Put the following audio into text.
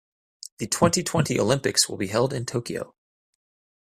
The twenty-twenty Olympics will be held in Tokyo.